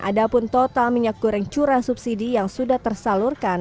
ada pun total minyak goreng curah subsidi yang sudah tersalurkan